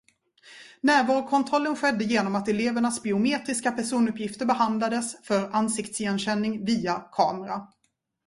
Närvarokontrollen skedde genom att elevernas biometriska personuppgifter behandlades för ansiktsigenkänning via kamera.